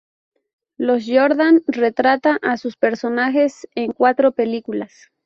Los Jordan retrata a sus personajes en cuatro películas.